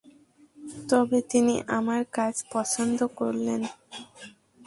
তবে তিনি আমার কাজ পছন্দ করলেন।